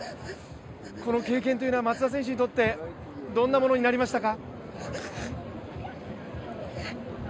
この経験というのは松田選手にとってどんなものになりましたか？